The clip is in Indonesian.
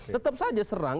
tetap saja serang